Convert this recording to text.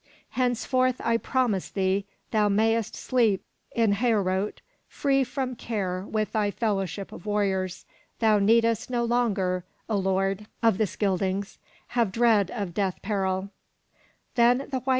Henceforth, I promise thee, thou mayest sleep in Heorot free from care with thy fellowship of warriors. Thou needest no ^ ^^x^ longer, O lord of the Scyldings, have dread /^^ of death peril T' Then the white L..